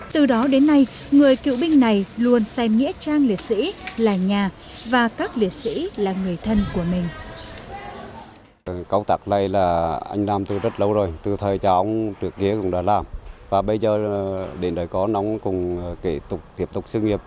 từ đó đến nay người cựu binh này luôn xem nghĩa trang liệt sĩ là nhà và các liệt sĩ là người thân của mình